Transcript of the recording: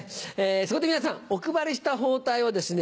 そこで皆さんお配りした包帯をですね